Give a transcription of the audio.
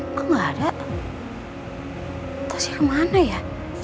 kok gak ada etasnya kemana ya